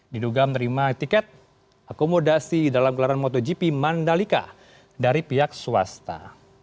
diduga menerima tiket akomodasi dalam gelaran motogp mandalika dari pihak swasta